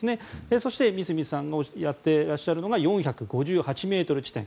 そして、三隅さんがやっていらっしゃるのが４５８ｍ地点。